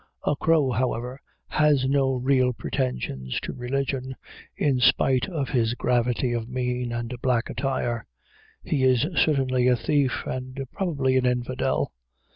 A crow, however, has no real pretensions to religion, in spite of his gravity of mien and black attire; he is certainly a thief, and probably an infidel.